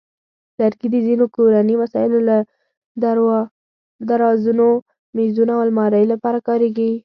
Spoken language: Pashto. لرګي د ځینو کورني وسایلو لکه درازونو، مېزونو، او المارۍ لپاره کارېږي.